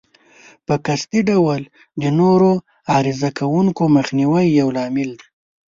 په قصدي ډول د نورو عرضه کوونکو مخنیوی یو لامل دی.